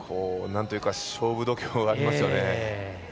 なんというか勝負度胸がありますよね。